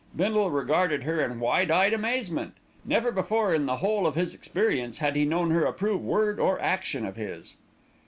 Bindle regarded her in wide eyed amazement. Never before in the whole of his experience had he known her approve word or action of his.